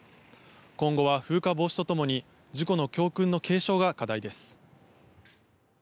今後は風化防止とともに事故の教訓の継承が課題です。